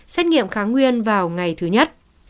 xét nghiệm kháng nguyên vào ngày thứ nhất